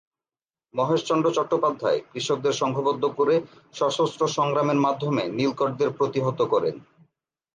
মহেশচন্দ্র চট্টোপাধ্যায় কৃষকদের সংঘবদ্ধ করে সশস্ত্র সংগ্রামের মাধ্যমে নীলকরদের প্রতিহত করেন।